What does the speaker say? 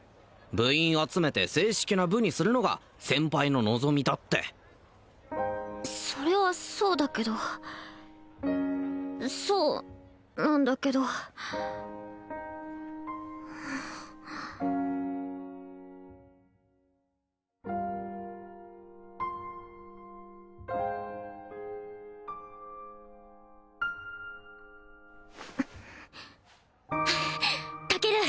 部員集めて正式な部にするのが先輩の望みだってそれはそうだけどそうなんだけどタケル